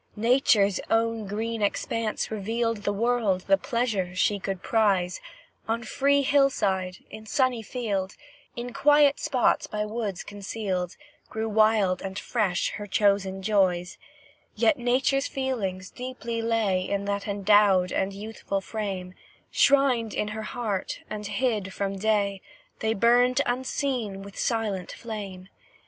Nature's own green expanse revealed The world, the pleasures, she could prize; On free hill side, in sunny field, In quiet spots by woods concealed, Grew wild and fresh her chosen joys, Yet Nature's feelings deeply lay In that endowed and youthful frame; Shrined in her heart and hid from day, They burned unseen with silent flame.